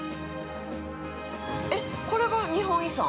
◆えっ、これが日本遺産？